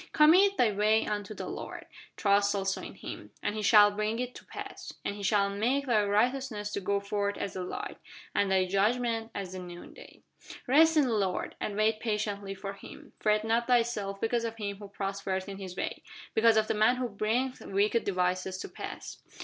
Commit thy way unto the Lord, Trust also in Him, And He shall bring it to pass. And He shall make thy righteousness to go forth as the light, And thy judgment as the noonday. Rest in the Lord, And wait patiently for Him: Fret not thyself because of him who prospereth in his way, Because of the man who bringeth wicked devices to pass.